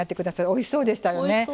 おいしそうでした。